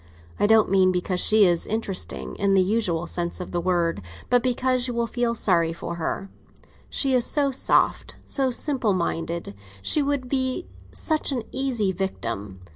I don't mean because she is interesting in the usual sense of the word, but because you would feel sorry for her. She is so soft, so simple minded, she would be such an easy victim!